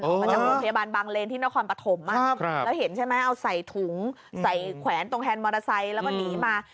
มาจากโรงพยาบาลบางเลนที่นครปฐมแล้วเห็นใช่ไหมเอาใส่ถุงใส่แขวนตรงแฮนดมอเตอร์ไซค์แล้วก็หนีมา